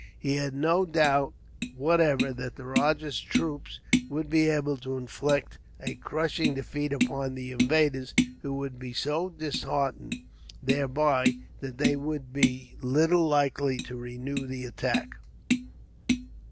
He had no doubt whatever that the rajah's troops would be able to inflict a crushing defeat upon the invaders, who would be so disheartened, thereby, that they would be little likely to renew the attack.